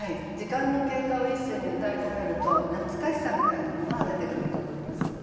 時間の経過を一首にうたい込めると懐かしさみたいなものは出てくると思います。